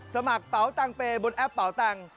กระเป๋าตังเปย์บนแอปเป๋าตังค์